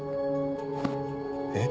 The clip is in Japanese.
えっ？